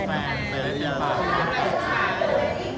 ไม่ถาม